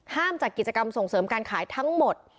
จัดกิจกรรมส่งเสริมการขายทั้งหมด